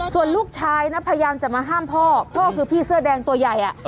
ส่วนลูกชายนะพยายามจะมาห้ามพ่อพ่อคือพี่เสื้อแดงตัวใหญ่